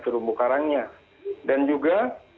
terumbu karangnya dan juga